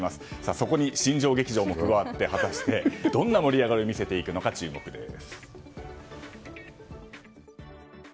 そこに新庄劇場も加わって果たして、どんな盛り上がりを見せていくのか、注目です。